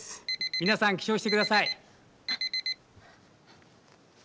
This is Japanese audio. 皆さん起床して下さい。